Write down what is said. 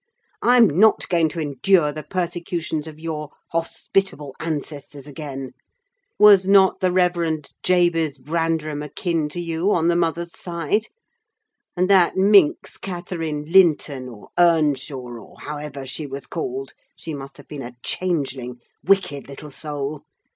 "I'm not going to endure the persecutions of your hospitable ancestors again. Was not the Reverend Jabez Branderham akin to you on the mother's side? And that minx, Catherine Linton, or Earnshaw, or however she was called—she must have been a changeling—wicked little soul!